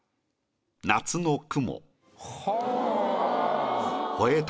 夏の雲」。